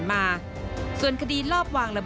สมทรณ์อธิบาย